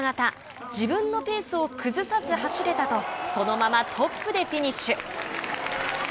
自分のペースを崩さず走れたとそのままトップでフィニッシュ。